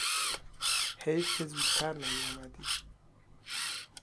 حیف که زودتر نیامدی!